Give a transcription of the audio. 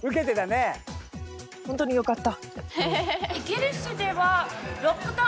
本当によかった。